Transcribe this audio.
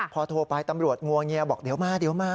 พอโทรไปตำรวจงวงเงียบอกเดี๋ยวมา